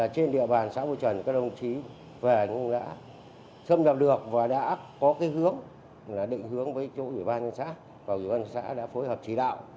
trên địa bàn xã bộ trần các đồng chí và anh ông đã xâm nhập được và đã có cái hướng là định hướng với chỗ ủy ban nhân xã và ủy ban nhân xã đã phối hợp chỉ đạo